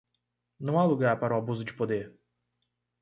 Não há lugar para o abuso de poder